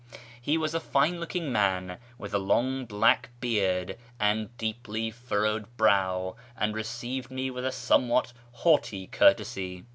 He was a fine looking man, with a long black beard and deeply furrowed brow, and received me with a somewhat haughty courtesy.